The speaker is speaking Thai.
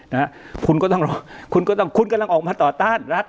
นะฮะคุณก็ต้องรอคุณก็ต้องคุณกำลังออกมาต่อต้านรัฐ